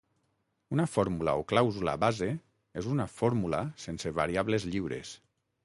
Una fórmula o clàusula base és una fórmula sense variables lliures.